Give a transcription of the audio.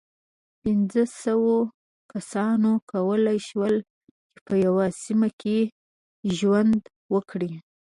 پينځو سوو کسانو کولی شول، چې په یوه سیمه کې ژوند وکړي.